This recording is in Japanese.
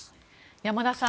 山田さん